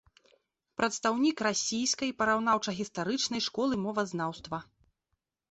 Прадстаўнік расійскай параўнаўча-гістарычнай школы мовазнаўства.